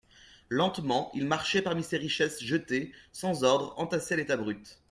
Lentement, il marchait parmi ces richesses jetées sans ordre, entassées à l'état brut.